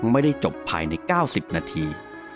ไม่ได้จบภายในเก้าสิบนาที